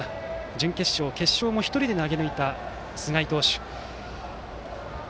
準決勝、決勝も１人で投げ抜いた菅井投手。